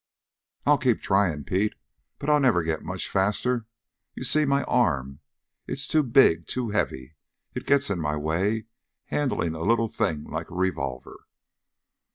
"I'll keep tryin', Pete. But I'll never get much faster. You see, my arm it's too big, too heavy. It gets in my way, handling a little thing like a revolver!"